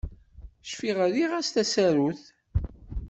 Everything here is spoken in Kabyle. Cfiɣ rriɣ -as tasarut